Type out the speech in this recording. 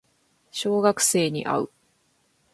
小学生に会う